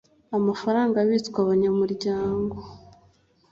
amafaranga abitswa n'abanyamuryango